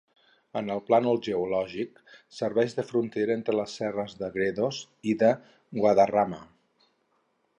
En el plànol geològic, serveix de frontera entre les serres de Gredos i de Guadarrama.